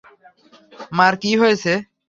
মা-র কি হয়েছে?